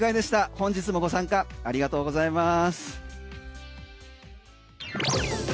本日もご参加ありがとうございます。